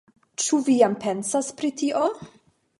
Ĉu vi jam pensas pri tio?